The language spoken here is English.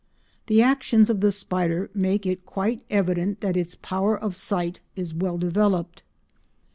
The actions of the spider make it quite evident that its power of sight is well developed.